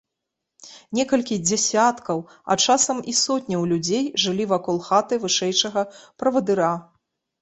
Некалькі дзесяткаў, а часам і сотняў людзей жылі вакол хаты вышэйшага правадыра.